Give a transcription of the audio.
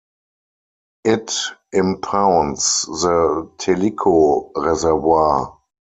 It impounds the Tellico Reservoir.